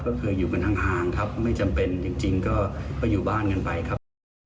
ก็คืออยู่กันห่างครับไม่จำเป็นจริงก็อยู่บ้านกันไปครับ